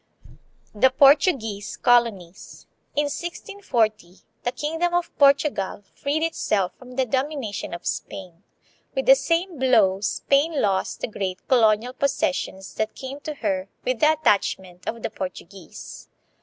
The Portuguese Colonies. In 1640 the kingdom of Portugal freed itself from the domination of Spain. With the same blow Spain lost the great colonial possessions that came to her with the attachment of the Portuguese.